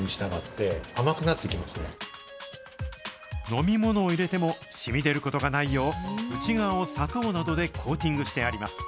飲み物を入れても、染み出ることがないよう、内側を砂糖などでコーティングしてあります。